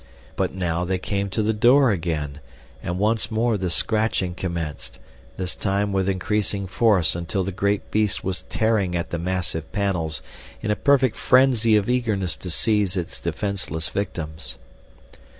But now they came to the door again, and once more the scratching commenced; this time with increasing force until the great beast was tearing at the massive panels in a perfect frenzy of eagerness to seize its defenseless victims.